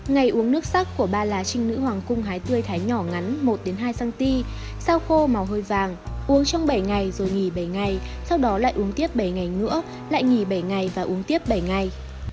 ngày uống nước sắc của ba lá trinh nữ hoàng cung hái tươi thái nhỏ ngắn một hai cm sao khô màu hơi vàng uống trong bảy ngày rồi nghỉ bảy ngày sau đó lại uống tiếp bảy ngày nữa lại nghỉ bảy ngày và uống tiếp bảy ngày